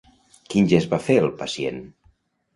Quin gest va fer el pacient?